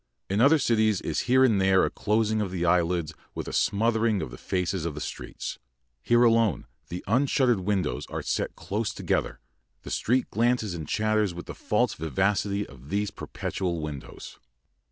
In other cities is here and there a closing of the eyelids with a smoothing of the faces of the streets; here alone the unshuttered windows are set close together; the street glances and chatters with the false vivacity of these perpetual windows.